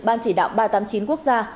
ban chỉ đạo ba trăm tám mươi chín quốc gia